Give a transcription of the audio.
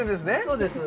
そうです。